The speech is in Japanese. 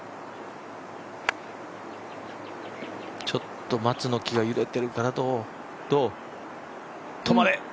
ちょっと松の木が揺れてるかな止まれ！